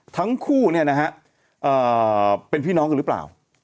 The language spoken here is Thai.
ทั้งคู่เนี่ยนะฮะเป็นพี่น้องกันหรือเปล่า